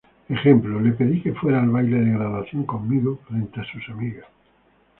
Ejemplo: "Le pedí que fuera al baile de graduación conmigo frente a sus amigas".